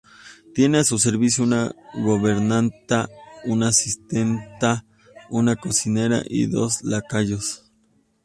Tiene a su servicio una gobernanta, una asistenta, una cocinera y dos lacayos.